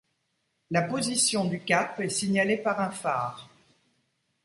La position du cap est signalée par un phare.